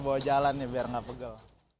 bawa jalan nih biar nggak pegel